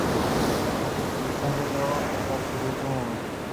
এটি বিংশ শতাব্দীর ষষ্ঠ বৃহত্তম ভূমিকম্প ছিল।